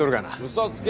嘘つけ！